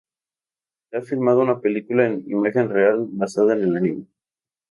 Se ha filmado una película en imagen real, basada en el anime.